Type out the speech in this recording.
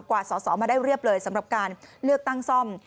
กว่าสอสอมาได้เรียบเลยสำหรับการเลือกตั้งซ่อม